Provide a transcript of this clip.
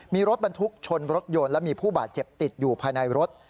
มีรถบรรทุกชนรถยนต์และมีผู้บาดเจ็บติดอยู่ภายในรถ